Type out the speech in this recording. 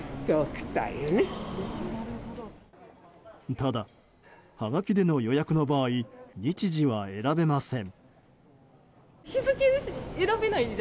ただ、はがきでの予約の場合日時は選べません。